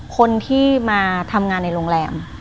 คนที่มาทำงานในโรงแรม